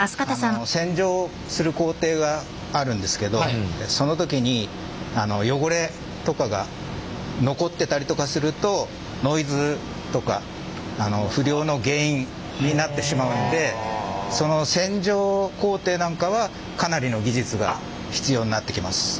洗浄する工程があるんですけどその時に汚れとかが残ってたりとかするとノイズとか不良の原因になってしまうのでその洗浄工程なんかはかなりの技術が必要になってきます。